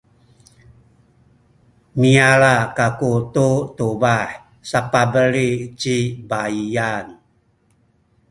miyala kaku tu tubah sapabeli ci baiyan.